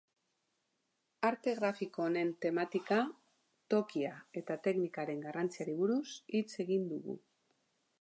Arte grafiko honen tematika, tokia eta teknikaren garrantziari buruz hitz egin dugu.